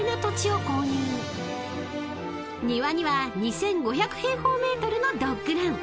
［庭には２，５００平方ｍのドッグラン］